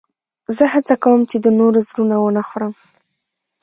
زه هڅه کوم، چي د نورو زړونه و نه خورم.